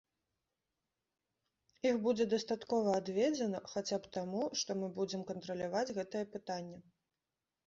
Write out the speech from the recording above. Іх будзе дастаткова адведзена хаця б таму, што мы будзем кантраляваць гэтае пытанне.